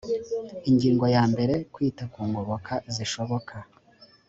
ingingo ya mbere kwita ku ngoboka zishoboka